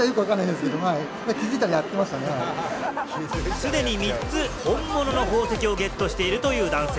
既に３つ本物の宝石をゲットしているという男性。